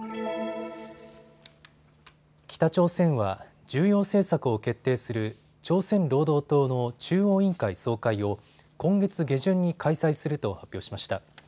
北朝鮮は重要政策を決定する朝鮮労働党の中央委員会総会を今月下旬に開催すると発表しました。